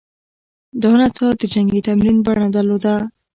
دا نڅا د جنګي تمرین بڼه درلوده